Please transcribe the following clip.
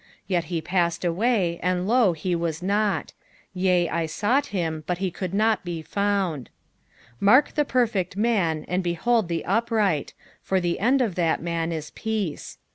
36 Yet he passed away, and, lo, he was not; yea, I sought him, but he could not be found. 37 Mark the perfect man, and behold the upright : for the end of that man is peace.